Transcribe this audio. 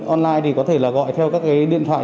online thì có thể gọi theo các điện thoại